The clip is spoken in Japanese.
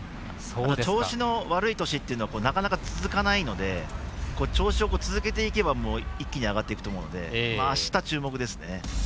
調子の悪い年っていうのはなかなか続かないので調子を続けていけば一気に上がっていくのであした注目ですね。